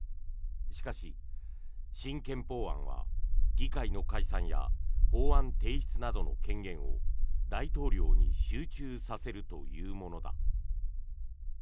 しかし、新憲法案は議会の解散や法案提出などの権限を大統領に集中させるというものだ。